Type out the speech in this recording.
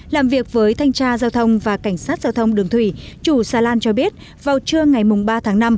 làm việc với thanh tra giao thông và cảnh sát giao thông đường thủy chủ xà lan cho biết vào trưa ngày ba tháng năm